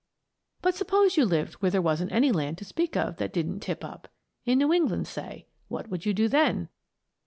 "But suppose you lived where there wasn't any land to speak of that didn't tip up; in New England, say what would you do then?"